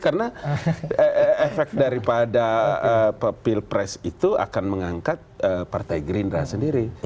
karena efek daripada pilpres itu akan mengangkat partai gerindra sendiri